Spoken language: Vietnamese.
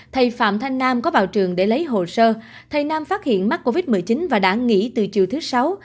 thầy phạm thanh nam có vào trường để lấy hồ sơ thầy nam phát hiện mắc covid một mươi chín và đã nghỉ từ chiều thứ sáu